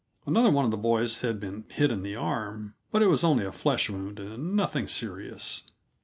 Another one of the boys had been hit in the arm, but it was only a flesh wound and nothing serious.